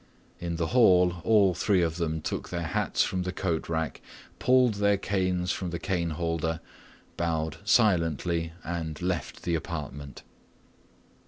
In the hall all three of them took their hats from the coat rack, pulled their canes from the cane holder, bowed silently, and left the apartment.